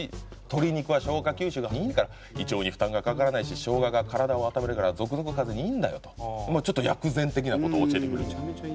「鶏肉は消化吸収が良いから胃腸に負担がかからないししょうがが体を温めるからゾクゾク風邪にいいんだよ」とちょっと薬膳的な事を教えてくれるんですよ。